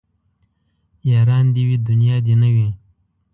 ياران دي وي دونيا دي نه وي